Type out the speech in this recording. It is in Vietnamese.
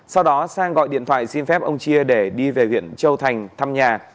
sau đó sang gọi điện thoại xin phép ông chia để đi về huyện châu thành thăm nhà